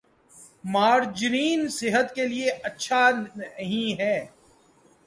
margarine صحت کے لئے اچھا نہیں ہے